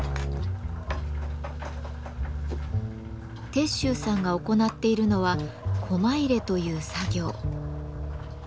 鉄舟さんが行っているのは「コマ入れ」という作業。